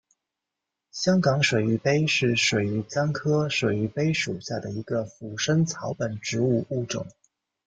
香港水玉杯是水玉簪科水玉杯属下的一个腐生草本植物物种。